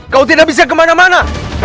kau tidak bisa kemana mana